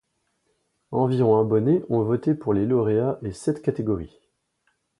Environ abonnés ont voté pour les lauréats des sept catégories.